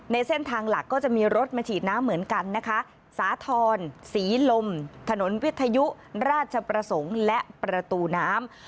ในเส้นทางหลักก็จะมีรถมาฉีดน้ำเหมือนกันนะคะสาธรณ์ศรีลมถนนวิทยุราชประสงค์และประตูน้ำ